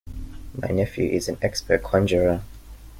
My nephew is an expert conjurer.